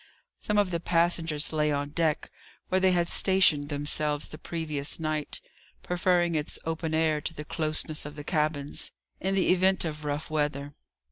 Some of the passengers lay on deck, where they had stationed themselves the previous night, preferring its open air to the closeness of the cabins, in the event of rough weather.